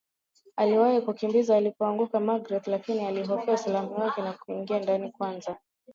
Aliwaza kukimbilia alipoanguka Magreth lakini alihofua usalama wake na kuingia ndani kwanza